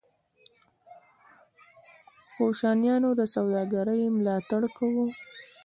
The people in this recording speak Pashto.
کوشانیانو د سوداګرۍ ملاتړ کاوه